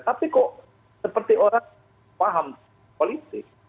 tapi kok seperti orang paham politik